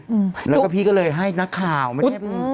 อืมแล้วก็พี่ก็เลยให้นักข่าวไม่ได้อืม